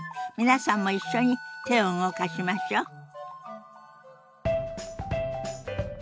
皆さんも一緒に手を動かしましょう。